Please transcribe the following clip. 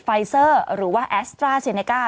ไฟเซอร์หรือว่าแอสตราเซเนก้า